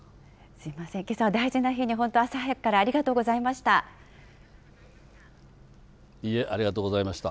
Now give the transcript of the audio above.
すみません、けさは大事な日に、本当に朝早くからありがとうございました。